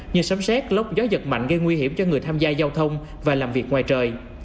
như sấm xét lốc gió giật mạnh gây nguy hiểm cho người tham gia giao thông và làm việc ngoài trời